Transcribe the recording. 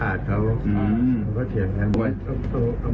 เขาก็แทงก่อน